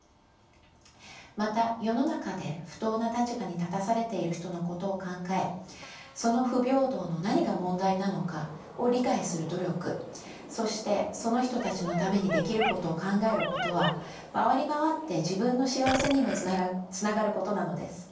また世の中で不等な立場に立たされている人のことを考えその不平等の何が問題なのかを理解する努力そしてその人たちのためにできることを考えることは回り回って自分の幸せにもつながることなのです。